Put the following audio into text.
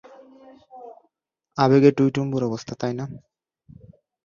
আবেগে টইটুম্বর অবস্থা, তাই না?